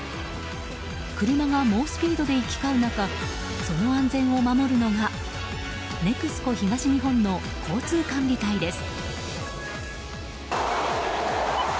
車が猛スピードで行き交う中その安全を守るのがＮＥＸＣＯ東日本の交通管理隊です。